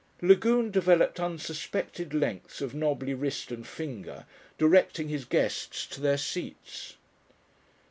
Lagune developed unsuspected lengths of knobby wrist and finger directing his guests to their seats.